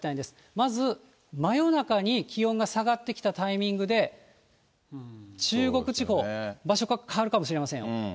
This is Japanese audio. まず真夜中に気温が下がってきたタイミングで、中国地方、場所が変わるかもしれませんよ。